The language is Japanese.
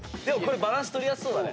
バランス取りやすそうだね。